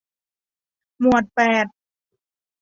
หมวดแปด